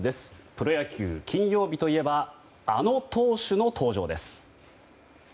プロ野球、金曜日といえばあの投手の登場です。